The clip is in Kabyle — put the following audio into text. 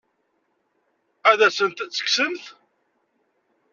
Ad asent-tt-tekksem?